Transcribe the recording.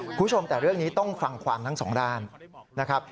คุณผู้ชมแต่เรื่องนี้ต้องฟังความทั้งสองด้านนะครับ